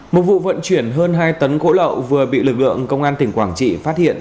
một vụ vận chuyển hơn hai tấn gỗ lậu vừa bị lực lượng công an tỉnh quảng trị phát hiện